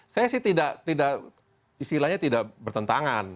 saya sih tidak istilahnya tidak bertentangan